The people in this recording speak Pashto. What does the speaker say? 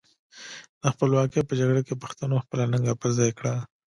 د خپلواکۍ په جګړه کې پښتنو خپله ننګه پر خای کړه.